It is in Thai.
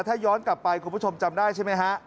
ถ้าย้อนกลับไปคุณผู้ชมจำได้ใช่ไหมฮะ